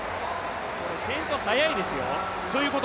先頭速いですよ。